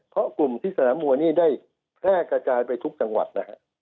เพราะกลุ่มที่สนามมวยนี่ได้แพร่กระจายไปทุกจังหวัดนะฮะ